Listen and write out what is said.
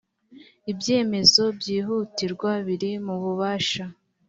ibyemezo byihutirwa biri mu bubasha